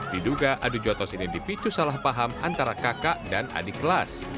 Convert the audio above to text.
diduga adu jotos ini dipicu salah paham antara kakak dan adik kelas